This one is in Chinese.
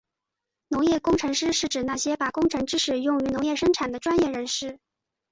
农业工程师是指那些把工程知识用于农业生产的专业人士。